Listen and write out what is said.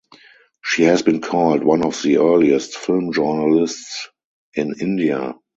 She has been called "one of the earliest film journalists in India".